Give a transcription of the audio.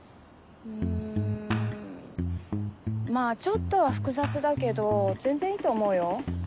うんまぁちょっとは複雑だけど全然いいと思うよ。